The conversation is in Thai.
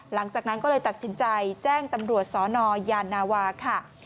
หลังจากนั้นก็เลยตัดสินใจแจ้งตำรวจสนยานาวาค่ะ